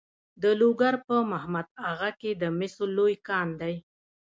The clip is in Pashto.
د لوګر په محمد اغه کې د مسو لوی کان دی.